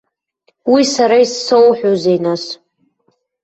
Уи сара изсоуҳәозеи нас?